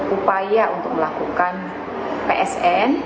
upaya untuk melakukan psn